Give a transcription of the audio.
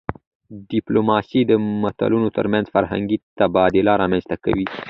ډيپلوماسي د ملتونو ترمنځ فرهنګي تبادله رامنځته کوي.